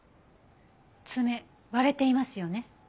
爪割れていますよね。